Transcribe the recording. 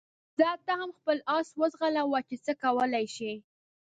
ځه ته هم خپل اس وځغلوه چې څه کولای شې.